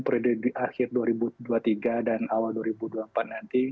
periode akhir dua ribu dua puluh tiga dan awal dua ribu dua puluh empat nanti